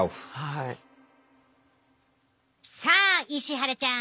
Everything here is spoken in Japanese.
さあ石原ちゃん